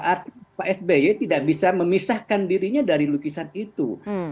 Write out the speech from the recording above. artinya pak sby tidak bisa memisahkan dirinya dari lukisan itu